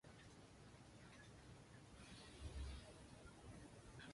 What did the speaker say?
Its name literally means "South-North Line".